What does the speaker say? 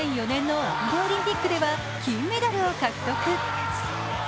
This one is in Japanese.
２００４年のアテネオリンピックでは金メダルを獲得。